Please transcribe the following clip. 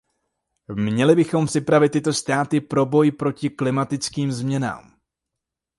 Měli bychom připravit tyto státy pro boj proti klimatickým změnám.